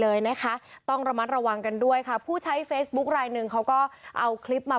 เลยนะคะต้องระมัดระวังกันด้วยค่ะผู้ใช้เฟซบุ๊คลายหนึ่งเขาก็เอาคลิปมา